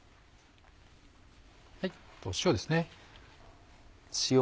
塩ですね。